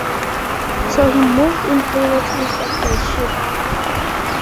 So he moved in closer to inspect the ship.